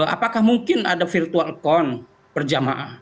apakah mungkin ada virtual account per jamaah